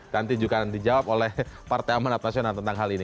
nanti juga dijawab oleh partai amanat nasional tentang hal ini